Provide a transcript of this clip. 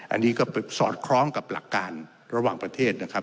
อันนี้ก็สอดคล้องกับหลักการระหว่างประเทศนะครับ